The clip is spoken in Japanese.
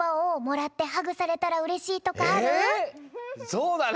そうだね